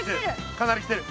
かなり来てる！